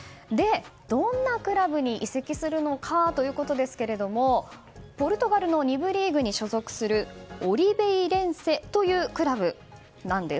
どんなクラブに移籍するのかですがポルトガルの２部リーグに所属するオリベイレンセというクラブなんです。